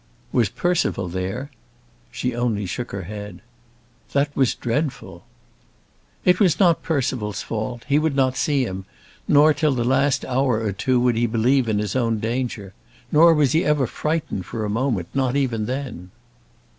"Was Percival there?" She only shook her head. "That was dreadful." "It was not Percival's fault. He would not see him; nor till the last hour or two would he believe in his own danger. Nor was he ever frightened for a moment, not even then."